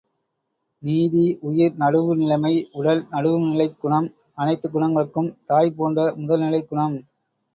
நீதி உயிர் நடுவு நிலைமை உடல், நடுவுநிலைக் குணம் அனைத்துக் குணங்களுக்கும் தாய் போன்ற முதல்நிலைக் குணம்.